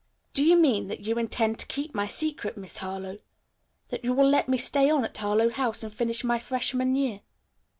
"Do you mean that you intend to keep my secret, Miss Harlowe; that you will let me stay on at Harlowe House and finish my freshman year?"